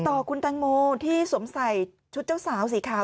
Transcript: ต่อคุณแตงโมที่สวมใส่ชุดเจ้าสาวสีขาว